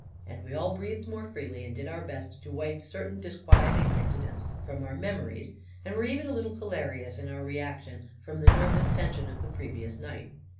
And we all breathed more freely, and did our best to wipe certain disquieting incidents from our memo ries, and were even a little hilarious in our reaction from the nervous tension of the previous night.